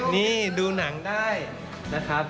นี่ดูหนังได้นะครับ